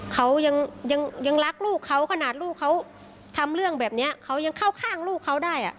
เขายังรักลูกเขาขนาดลูกเขาทำเรื่องแบบนี้เขายังเข้าข้างลูกเขาได้